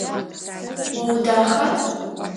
О удаха?